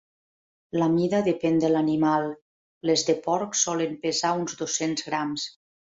La mida depén de l'animal, les de porc solen pesar uns dos-cents grams.